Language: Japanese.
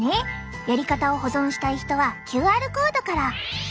やり方を保存したい人はＱＲコードから。